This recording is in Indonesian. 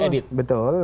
video yang tidak diedit